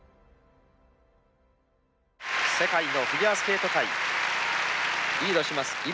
世界のフィギュアスケート界リードします